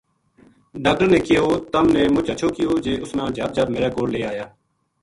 ڈاکٹر نے کہیو:”تم نے مچ ہچھو کیو جے اس نا جھب جھب میرے کول لے آیا